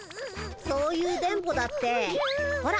そういう電ボだってほら。